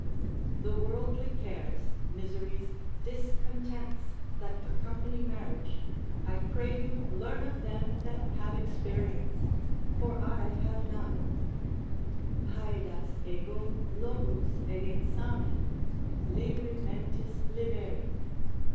The worldly cares, miseries, discontents, that accompany marriage, I pray you learn of them that have experience, for I have none; παίδας ἐγὸ λόγους ἐγενσάμην, libri mentis liberi.